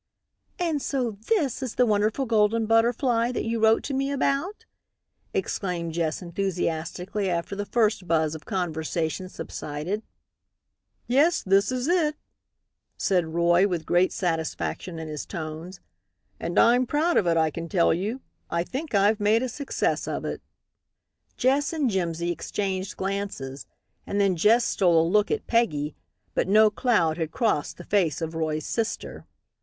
"And so this is the wonderful Golden Butterfly that you wrote to me about?" exclaimed Jess enthusiastically after the first buzz of conversation subsided. "Yes, this is it," said Roy with great satisfaction in his tones, "and I'm proud of it, I can tell you. I think I've made a success of it." Jess and Jimsy exchanged glances. And then Jess stole a look at Peggy, but no cloud had crossed the face of Roy's sister.